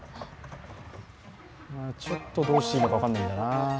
ちょっとどうしていいのか分からないんだな。